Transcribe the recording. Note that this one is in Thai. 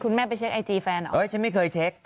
แม่ไปเช็คไอจีแฟนเหรอเอ้ยฉันไม่เคยเช็ค